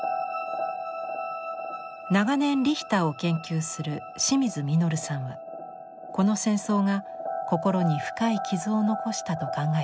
長年リヒターを研究する清水穣さんはこの戦争が心に深い傷を残したと考えています。